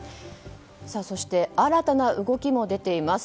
そして新たな動きも出ています。